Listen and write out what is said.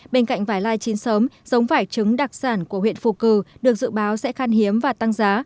bên cạnh vải lai chín sớm giống vải trứng đặc sản của huyện phù cử được dự báo sẽ khăn hiếm và tăng giá